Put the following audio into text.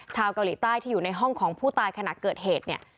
ชาวเกาหลีใต้ที่อยู่ในห้องของผู้ตายขณะเกิดเหตุเนี่ย